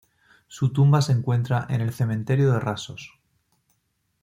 Su tumba se encuentra en el cementerio de Rasos.